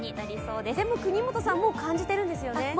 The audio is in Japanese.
でも國本さんも感じているんですよね？